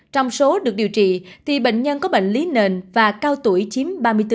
trong số được điều trị thì bệnh nhân có bệnh lý nền và cao tuổi chiếm ba mươi bốn ba mươi năm